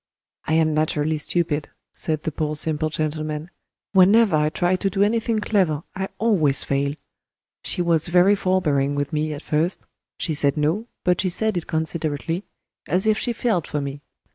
I am naturally stupid," said the poor simple gentleman; "whenever I try to do anything clever I always fail. She was very forbearing with me at first; she said No, but she said it considerately, as if she felt for me.